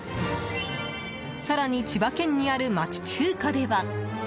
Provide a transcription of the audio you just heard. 更に、千葉県にある町中華では。